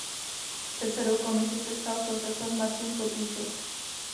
Předsedou komise se stal profesor Martin Potůček.